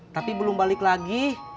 tapi belum balik lagi